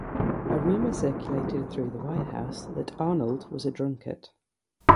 A rumor circulated through the White House that Arnold was a "drunkard".